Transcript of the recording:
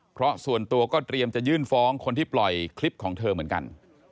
เพราะส่วนตัวก็เตรียมจะยื่นฟ้องคนที่ปล่อยคลิปของเธอเหมือนกัน